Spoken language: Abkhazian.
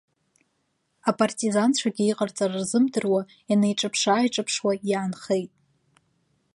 Апартизанцәагьы иҟарҵара рзымдыруа инеиҿаԥшы-ааиҿаԥшуа иаанхеит.